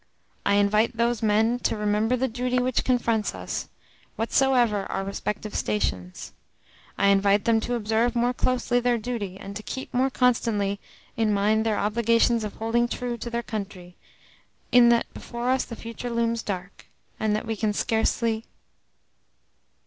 I invite those men to remember the duty which confronts us, whatsoever our respective stations; I invite them to observe more closely their duty, and to keep more constantly in mind their obligations of holding true to their country, in that before us the future looms dark, and that we can scarcely...."